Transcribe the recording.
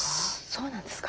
そうなんですか？